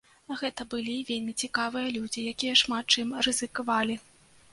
Гэта былі вельмі цікавыя людзі, якія шмат чым рызыкавалі.